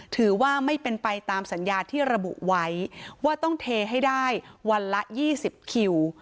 ถือว่าไม่เป็นไปตามสัญญาที่ระบุไว้ว่าต้องเทให้ได้วันละ๒๐คิว